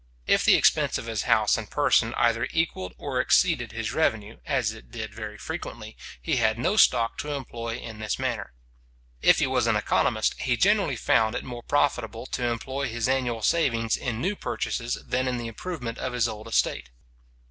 If the expense of his house and person either equalled or exceeded his revenue, as it did very frequently, he had no stock to employ in this manner. If he was an economist, he generally found it more profitable to employ his annual savings in new purchases than in the improvement of his old estate.